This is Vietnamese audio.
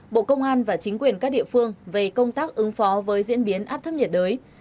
bộ công an và chính quyền các địa phương về công tác ứng phó với diễn biến áp thấp nhiệt đới